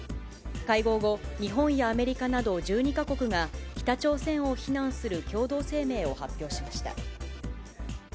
会合後、日本やアメリカなど１２か国が、北朝鮮を非難する共同声明を発表しました。